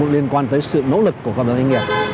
liên quan tới sự nỗ lực của cộng đồng doanh nghiệp